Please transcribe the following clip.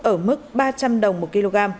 ở mức ba trăm linh đồng một kg